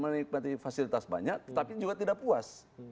mereka menikmati fasilitas banyak tapi juga tidak puas